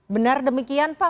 benar demikian pak